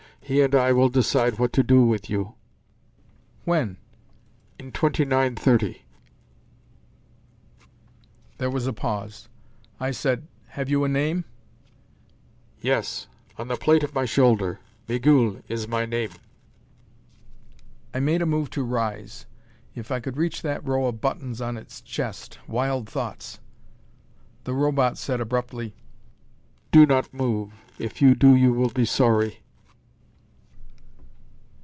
He and I will decide what to do with you." "When?" "In 2930." There was a pause. I said, "Have you a name?" "Yes. On the plate of my shoulder. Migul is my name." I made a move to rise. If I could reach that row of buttons on its chest! Wild thoughts! The Robot said abruptly, "Do not move! If you do, you will be sorry."